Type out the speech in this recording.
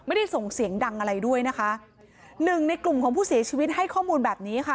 ไม่ได้ส่งเสียงดังอะไรด้วยนะคะหนึ่งในกลุ่มของผู้เสียชีวิตให้ข้อมูลแบบนี้ค่ะ